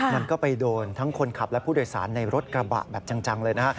มันก็ไปโดนทั้งคนขับและผู้โดยสารในรถกระบะแบบจังเลยนะฮะ